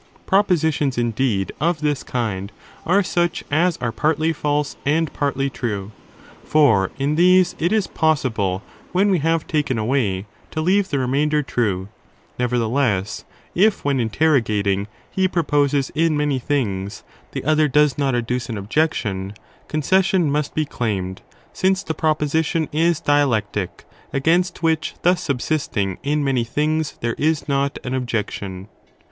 Propositions indeed of this kind are such as are partly false and partly true, for in these it is possible, when we have taken away, to leave the remainder true ; nevertheless, if (when interrogating ), he proposes in many things, (the other) does not adduce an objection, concession must be claimed, since the proposition is dialectic, against which thus subsist ing in many things there is not an objection.